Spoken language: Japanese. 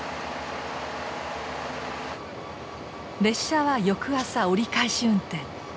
列車は翌朝折り返し運転。